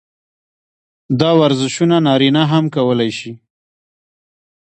دا ورزشونه نارينه هم کولے شي -